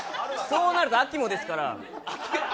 そうなると秋もですから。